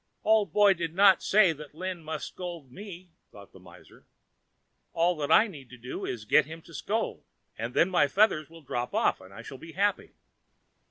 "Old Boy did not say that Lin must scold me," thought the miser. "All that I need do is to get him to scold, and then my feathers will drop off and I shall be happy.